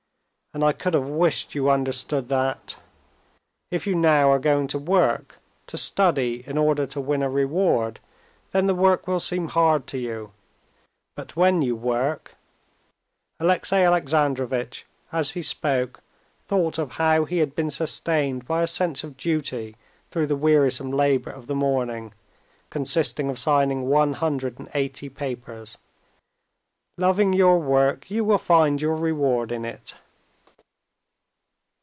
And I could have wished you understood that. If you now are going to work, to study in order to win a reward, then the work will seem hard to you; but when you work" (Alexey Alexandrovitch, as he spoke, thought of how he had been sustained by a sense of duty through the wearisome labor of the morning, consisting of signing one hundred and eighty papers), "loving your work, you will find your reward in it."